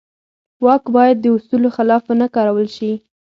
واک باید د اصولو خلاف ونه کارول شي.